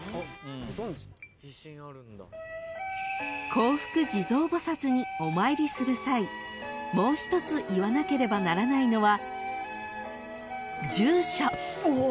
［幸福地蔵菩薩にお参りする際もう一つ言わなければならないのは］